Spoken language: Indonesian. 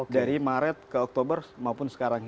dari maret ke oktober maupun sekarang